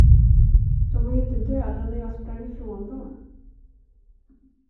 De var ju inte döda, när jag sprang ifrån dem.